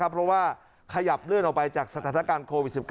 เพราะว่าขยับเลื่อนออกไปจากสถานการณ์โควิด๑๙